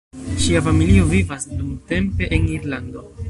Ŝia familio vivas dumtempe en Irlando.